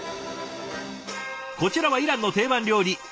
こちらはイランの定番料理